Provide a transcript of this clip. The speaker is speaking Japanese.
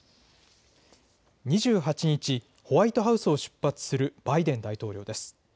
２８日、ホワイトハウスを出発するバイデン大統領です。